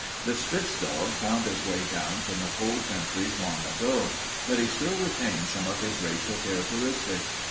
"The spitz dog found his way down from the cold countries long ago, but he still retains some of his racial characteristics.